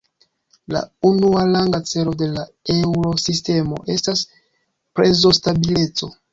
La unuaranga celo de la Eŭrosistemo estas prezostabileco.